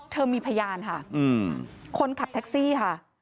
เธอมีพยานค่ะคนขับแท็กซี่ค่ะ